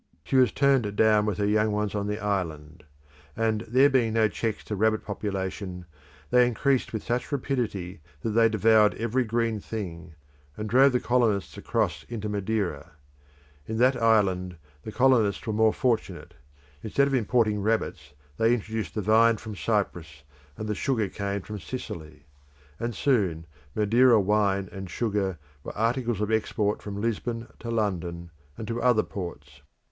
She was turned down with her young ones on the island, and, there being no checks to rabbit population, they increased with such rapidity that they devoured every green thing, and drove the colonists across into Madeira. In that island the colonists were more fortunate; instead of importing rabbits they introduced the vine from Cyprus, and the sugar cane from Sicily; and soon Madeira wine and sugar were articles of export from Lisbon to London and to other ports.